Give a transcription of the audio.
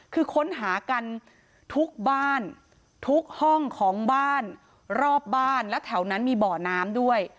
คือค้นหากันทุกบ้านทุกห้องของบ้านรอบบ้านและแถวนั้นมีบ่อน้ำด้วย